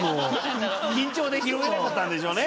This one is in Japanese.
緊張で拾えなかったんでしょうね。